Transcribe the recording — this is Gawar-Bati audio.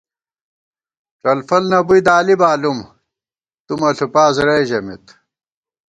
ڄلفل نہ بُوئی دالی بالُوم ، تُو مہ ݪُوپاس رئی ژمېت